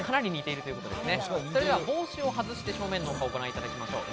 帽子を外して正面のお顔ご覧いただきましょう。